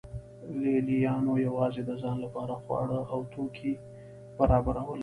لې لیانو یوازې د ځان لپاره خواړه او توکي برابرول